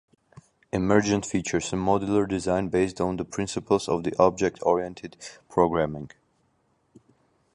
Emergent features a modular design, based on the principles of object-oriented programming.